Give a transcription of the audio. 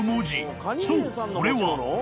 ［そうこれは］